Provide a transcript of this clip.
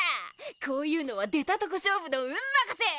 こういうのは出たとこ勝負の運任せっ！